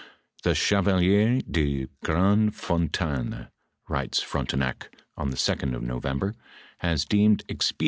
" The Chevalier de Grand Fontaine," writes Frontenac, on the 2d of November, " has deemed expedient • Rel.